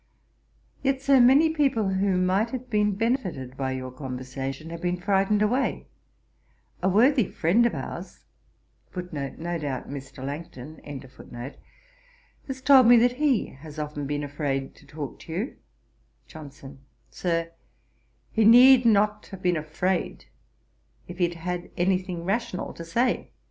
Yet, Sir, many people who might have been benefited by your conversation, have been frightened away. A worthy friend of ours has told me, that he has often been afraid to talk to you.' JOHNSON. 'Sir, he need not have been afraid, if he had any thing rational to say.